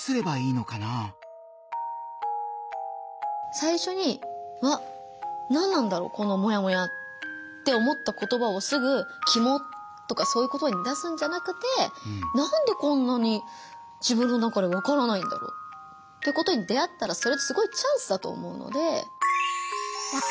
最初に「わっ何なんだろうこのモヤモヤ」って思った言葉をすぐ「キモッ」とかそういう言葉に出すんじゃなくて何でこんなに自分の中で分からないんだろうってことに出会ったらそれってすごいチャンスだと思うので。